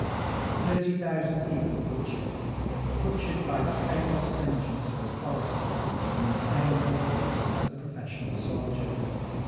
Thirty thousand people butchered! Butchered by the sateless vengeance of authority and the insane blood lust of the professional soldier!